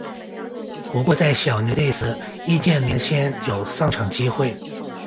不过在小牛队时易建联鲜有上场机会。